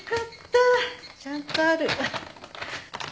ちゃんとある。